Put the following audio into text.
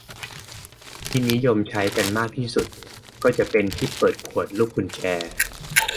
ที่นิยมใช้กันมากที่สุดก็จะเป็นที่เปิดขวดรูปกุญแจ